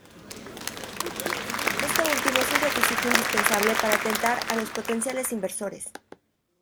Esto último es un requisito indispensable para tentar a los potenciales inversores.